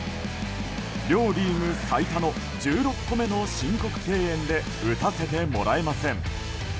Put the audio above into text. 両リーグ最多の１６個目の申告敬遠で打たせてもらえません。